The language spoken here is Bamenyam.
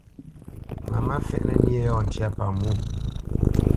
Mamá fɛ́ʼnǝ nyé yɔ̂ ntyá pamwô.